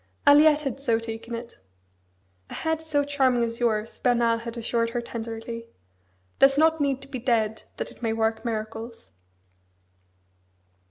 Aliette had so taken it. "A head so charming as yours," Bernard had assured her tenderly, "does not need to be dead that it may work miracles!"